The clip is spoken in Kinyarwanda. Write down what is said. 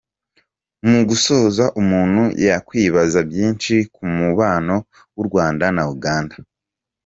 Mu gusoza umuntu yakwibaza byinshi ku mubano w’u Rwanda na Uganda.